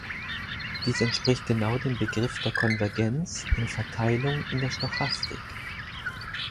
Dies entspricht genau dem Begriff der Konvergenz in Verteilung in der Stochastik.